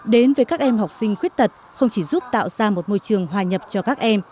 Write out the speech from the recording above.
đến với các em học sinh khuyết tật không chỉ giúp tạo ra một môi trường hòa nhập cho các em